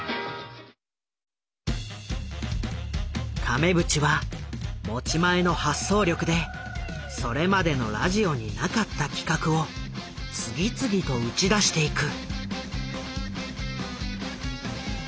亀渕は持ち前の発想力でそれまでのラジオになかった企画を次々と打ち出していく。